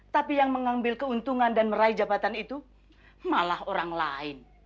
tapi yang mengambil keuntungan dan meraih jabatan itu malah orang lain